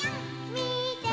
「みて」